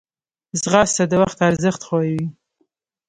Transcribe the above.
ځغاسته د وخت ارزښت ښووي